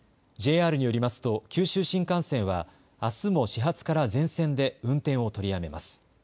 ＪＲによりますと、九州新幹線は、あすも始発から全線で運転を取りやめます。